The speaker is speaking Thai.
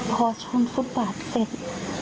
พอชนฟุตบาทเสร็จ